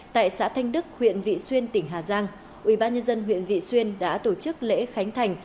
thành đức huyện vị xuyên tỉnh hà giang ubnd huyện vị xuyên đã tổ chức lễ khánh thành